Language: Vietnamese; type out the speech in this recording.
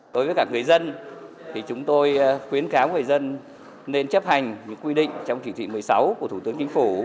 đối với cả người dân thì chúng tôi khuyến kháo người dân nên chấp hành những quy định trong chỉ thị một mươi sáu của thủ tướng chính phủ